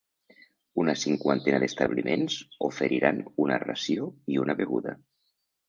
Una cinquantena d’establiments oferiran una ració i una beguda.